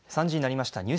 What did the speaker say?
３時になりました。